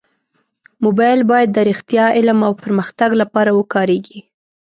موبایل باید د رښتیا، علم او پرمختګ لپاره وکارېږي.